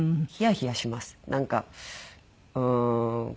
なんかうーん。